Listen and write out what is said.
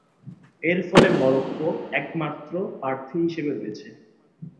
এরফলে মরক্কো একমাত্র প্রার্থী হিসেবে রয়েছে।